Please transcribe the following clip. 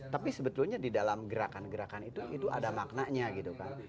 tapi sebetulnya di dalam gerakan gerakan itu itu ada maknanya gitu kan